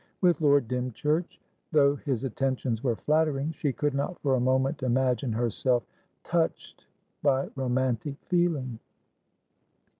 With Lord Dymchurch, though his attentions were flattering, she could not for a moment imagine herself touched by romantic feeling.